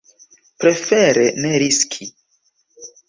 Prefere ne riski.